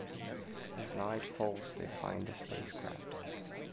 As night falls, they find the spacecraft.